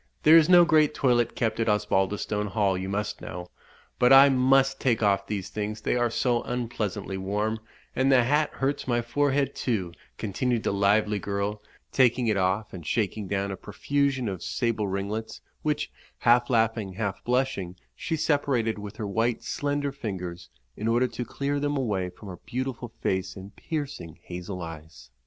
There is no great toilette kept at Osbaldistone Hall, you must know; but I must take off these things, they are so unpleasantly warm, and the hat hurts my forehead, too," continued the lively girl, taking it off, and shaking down a profusion of sable ringlets, which, half laughing, half blushing, she separated with her white slender fingers, in order to clear them away from her beautiful face and piercing hazel eyes.